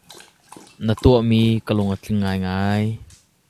Na tuahmi ka lung a tling ngaingai.